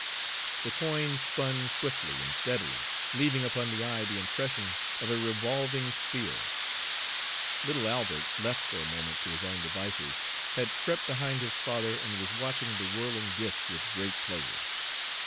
The coin spun swiftly and steadily, leaving upon the eye the impression of a revolving sphere. Little Albert, left for a moment to his own devices, had crept behind his father and was watching the whirling disk with great pleasure.